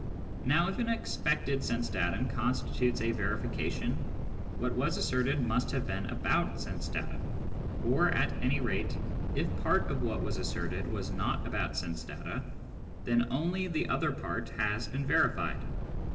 Now if an expected sense datum constitutes a verification, what was asserted must have been about sense data ; or, at any rate, if part of what was asserted was not about sense data, then only the other part has been verified.